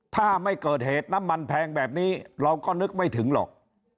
ถ้าไม่เกิดเหตุน้ำมันแพงแบบนี้เราก็นึกไม่ถึงหรอก